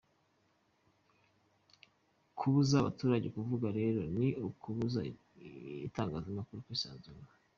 Kubuza abaturage kuvuga rero ni ukubuza Itangazamakuru kwisanzura.